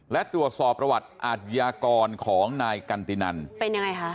และตรวจสอบประวัติอาทยากรของนายกันตินันเป็นยังไงคะ